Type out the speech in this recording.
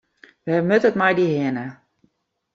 Wêr moat it mei dy hinne?